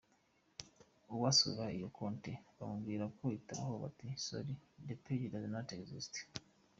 Uwasuraga iyo konti bamubwiraga ko itabaho bati “Sorry, that page doesn’t exist!”.